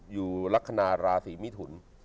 อยู่ละคณาราศีมิถุร